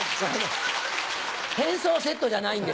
変装セットじゃないんです。